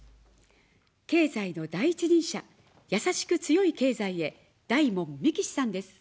経済の第一人者、やさしく強い経済へ、大門みきしさんです。